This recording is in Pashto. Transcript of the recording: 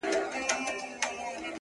• توري سرې وي د ورور ویني ترې څڅیږي -